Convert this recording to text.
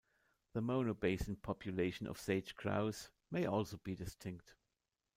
The Mono Basin population of sage grouse may also be distinct.